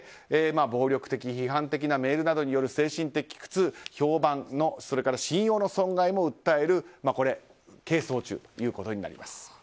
暴力的、批判的なメールなどによる精神的苦痛、評判のそれから信用の損害も訴える、これ係争中となります。